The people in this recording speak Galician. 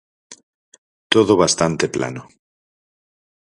Todo bastante plano.